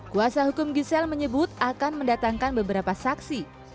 kuasa hukum gisela menyebut akan mendatangkan beberapa saksi